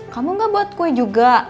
kamu gak buat kue juga